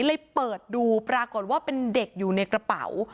เปิดดูปรากฏว่าเป็นเด็กอยู่ในกระเป๋า